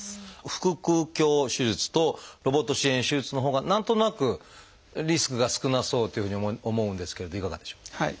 腹腔鏡手術とロボット支援手術のほうが何となくリスクが少なそうというふうに思うんですけれどいかがでしょう？